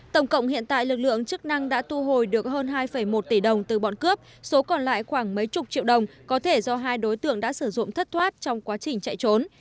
tổng cộng hiện tại lực lượng chức năng đã thu hồi được hơn hai một tỷ đồng từ bọn cướp số còn lại khoảng mấy chục triệu đồng có thể do hai đối tượng đã sử dụng thất thoát trong quá trình chạy trốn